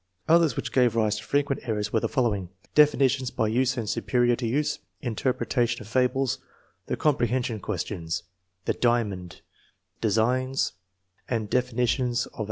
Others which gave rise to frequent errors were the following: definitions by use and superior to use, interpretation of fables, the comprehension questions, the diamond, designs, and definitions of ab 1 Terman, Lewis M.